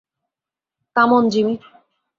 Come on, Jimmy.